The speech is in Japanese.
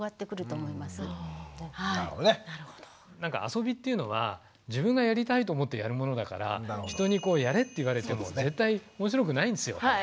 遊びっていうのは自分がやりたいと思ってやるものだから人にやれって言われても絶対おもしろくないんですよ。